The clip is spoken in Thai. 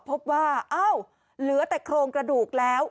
พบว่าอ้าวเหลือแต่โครงกระดูกแล้ว